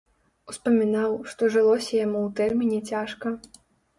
Успамінаў, што жылося яму ў тэрміне цяжка.